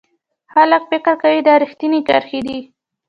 خلک فکر کوي دا ریښتینې کرښې دي.